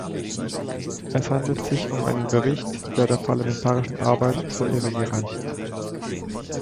Es handelt sich um einen Bericht, der der parlamentarischen Arbeit zur Ehre gereicht.